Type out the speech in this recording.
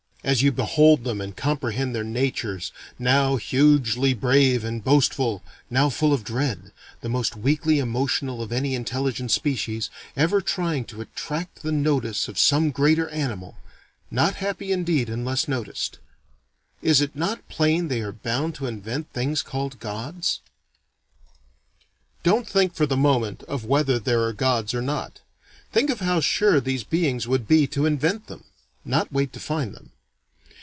As you behold them and comprehend their natures, now hugely brave and boastful, now full of dread, the most weakly emotional of any intelligent species, ever trying to attract the notice of some greater animal, not happy indeed unless noticed, is it not plain they are bound to invent things called gods? Don't think for the moment of whether there are gods or not; think of how sure these beings would be to invent them. (Not wait to find them.)